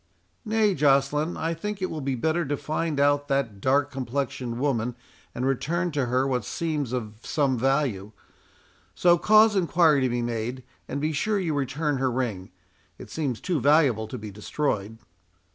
"Nay, Joceline, I think it will be better to find out that dark complexioned woman, and return to her what seems of some value. So, cause enquiry to be made, and be sure you return her ring. It seems too valuable to be destroyed."